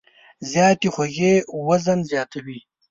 زیاتې خوږې وزن زیاتوي.